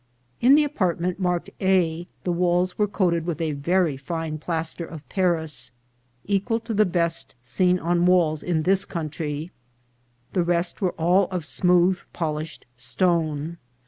In the apartment marked A the walls were coated with a very fine plas ter of Paris, equal to the best seen on walls in this country. The rest were all of smooth polished stone.